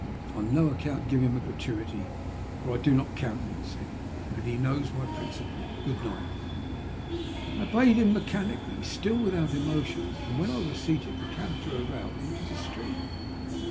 On no account give him B gratuity, for I do not countenance it, and be knowB my principle. Good night." I obeyed htm mechanically, still nithout emotion, and when I waa seated the cah drove out into the street.